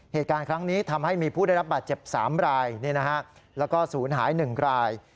เหตุการณ์ครั้งนี้ทำให้มีผู้ได้รับบาดเจ็บ๓รายแล้วก็ศูนย์หาย๑ราย